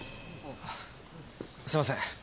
すいません